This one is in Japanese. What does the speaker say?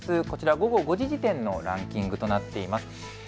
こちら午後５時時点のランキングとなっています。